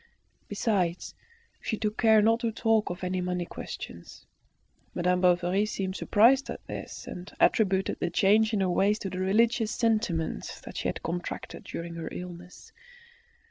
Besides, she took care not to talk of any money questions. Madame Bovary seemed surprised at this, and attributed the change in her ways to the religious sentiments she had contracted during her illness.